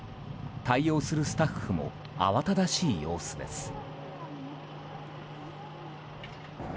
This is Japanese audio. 対応するスタッフも慌ただしい様子です。